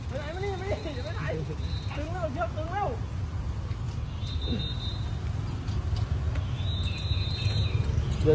ไปไหนมานี่มานี่เดี๋ยวไปไหนถึงเร็วถึงเร็ว